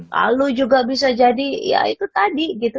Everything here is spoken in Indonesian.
lalu juga bisa jadi ya itu tadi gitu